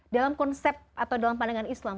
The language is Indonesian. dalam konsep atau dalam pandangan islam